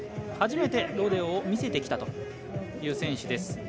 初めて、ロデオを見せてきたという選手です